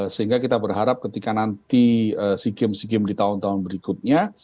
sehingga kita berharap ketika nanti sea games di tahun tahun berikutnya